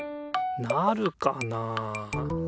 なるかなあ。